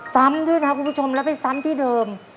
ซ้ำด้วยนะคุณผู้ชมแล้วไปซ้ำที่เดิม